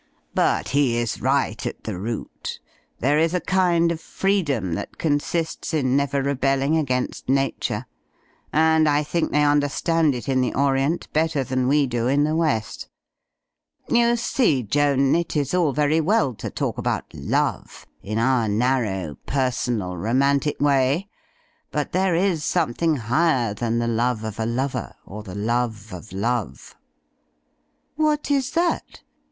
But he is right at the root There is a kind of freedom that consists in never rebelling against Nature; and I think they understand it in the Orient better than we do in the West. You see, Joan, it is all very well to talk about love in our narrow, personal, romantic way ; but there is something higher than the love of a lover or the love of love." "What is that?"